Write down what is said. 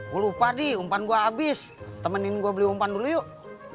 gua lupa di umpan gua habis temenin gua beli umpan dulu yuk